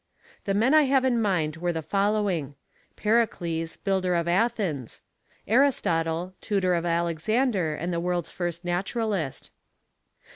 The men I have in mind were the following: Pericles, Builder of Athens. Aristotle, tutor of Alexander, and the world's first naturalist.